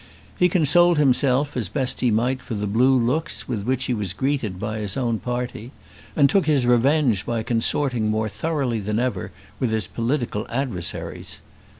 He consoled himself as best he might for the blue looks with which he was greeted by his own party, and took his revenge by consorting more thoroughly than ever with his political adversaries.